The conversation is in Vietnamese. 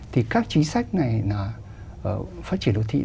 thì các chính sách này là phát triển đô thị